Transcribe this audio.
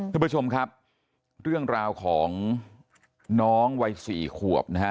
ทุกผู้ชมครับเรื่องราวของน้องวัยสี่ขวบนะฮะ